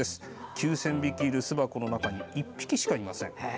９０００匹いる巣箱の中に１匹しかいません。